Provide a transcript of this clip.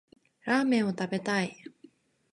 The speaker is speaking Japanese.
ラーメンを食べたい。